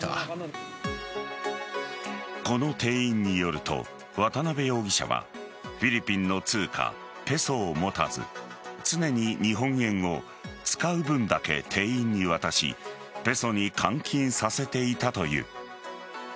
この店員によると渡辺容疑者はフィリピンの通貨・ペソを持たず常に日本円を使う分だけ店員に渡しペソに換金させていたという。